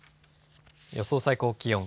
予想最高気温。